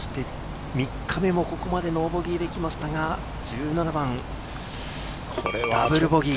３日目もここまでノーボギーで来ましたが、１７番、ダブルボギー。